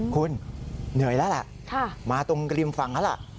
คุณเหนื่อยแล้วล่ะมาตรงริมฝั่งแล้วล่ะ